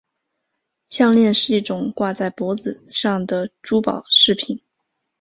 项链是一种挂在脖子上的珠宝饰品。